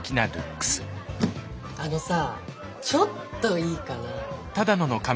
あのさちょっといいかな。